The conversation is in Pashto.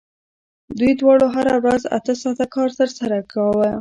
دوی دواړو هره ورځ اته ساعته کار ترسره کاوه